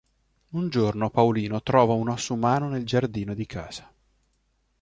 Un giorno Paulino trova un osso umano nel giardino di casa.